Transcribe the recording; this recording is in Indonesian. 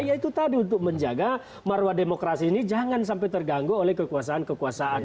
ya itu tadi untuk menjaga marwah demokrasi ini jangan sampai terganggu oleh kekuasaan kekuasaan